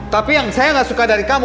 tapi yang saya gak suka dari kamu